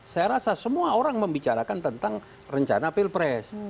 saya rasa semua orang membicarakan tentang rencana pilpres